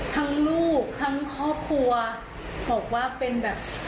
ลูกทั้งครอบครัวบอกว่าเป็นแบบ